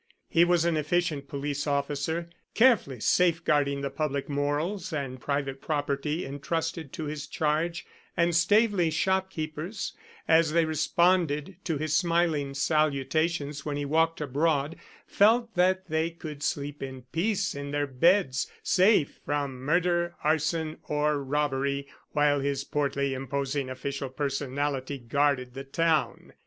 He was an efficient police officer, carefully safeguarding the public morals and private property entrusted to his charge, and Staveley shopkeepers, as they responded to his smiling salutations when he walked abroad, felt that they could sleep in peace in their beds, safe from murder, arson, or robbery, while his portly imposing official personality guarded the town.